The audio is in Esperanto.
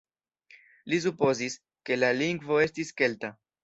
Li supozis, ke la lingvo estis kelta.